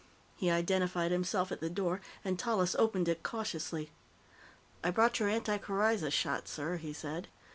He identified himself at the door and Tallis opened it cautiously. "I brought your anti coryza shot, sir," he said.